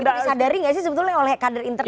sudah disadari nggak sih sebetulnya oleh kader internal